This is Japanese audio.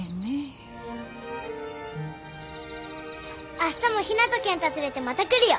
あしたも陽菜とケン太連れてまた来るよ